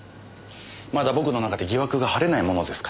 まだ僕の中で疑惑が晴れないものですから。